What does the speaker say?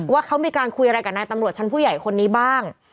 ว่าเขามีการคุยอะไรกับนายตำรวจชั้นผู้ใหญ่คนนี้บ้าง